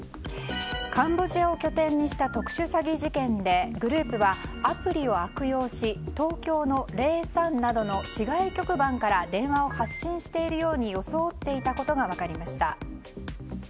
カンボジアを拠点にした特殊詐欺事件でグループはアプリを悪用し東京の「０３」などの市外局番などから電話を発信しているように装っていたことが分かりました。